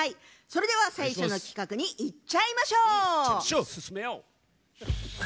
それでは、最初の企画にいっちゃいましょう！